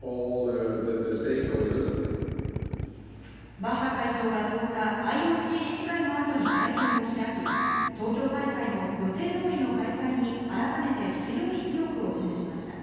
バッハ会長は１０日、ＩＯＣ理事会の後に会見を開き、東京大会の予定通りの開催に改めて強い意欲を示しました。